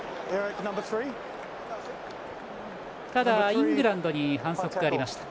イングランドに反則がありました。